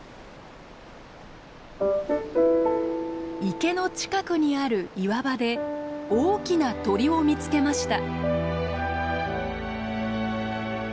池の近くにある岩場で大きな鳥を見つけました。